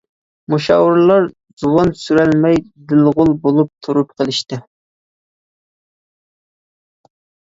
مۇشاۋىرلار زۇۋان سۈرەلمەي دېلىغۇل بولۇپ تۇرۇپ قېلىشتى.